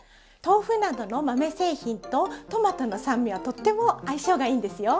豆腐などの豆製品とトマトの酸味はとっても相性がいいんですよ。